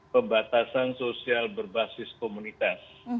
pembatasan sosial berbasis komunitas